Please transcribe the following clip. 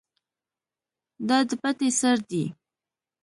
دا د پټی سر دی.